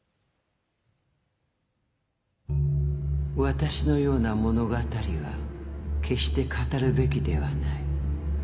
私のような物語は決して語るべきではない。